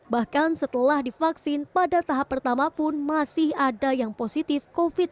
bahkan setelah divaksin pada tahap pertama pun masih ada yang positif covid sembilan belas